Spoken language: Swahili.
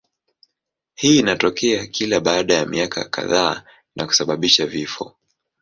Hii inatokea kila baada ya miaka kadhaa na kusababisha vifo.